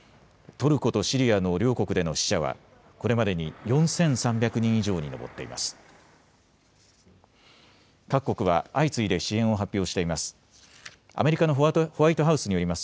トルコとシリアの両国での死者はこれまでに４３００人以上に上っています。